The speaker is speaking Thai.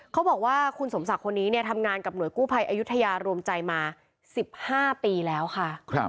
เขาบอกว่าคุณสมศักดิ์คนนี้เนี่ยทำงานกับหน่วยกู้ภัยอายุทยารวมใจมา๑๕ปีแล้วค่ะ